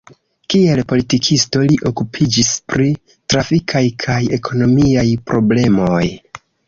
Kiel politikisto li okupiĝis pri trafikaj kaj ekonomiaj problemoj.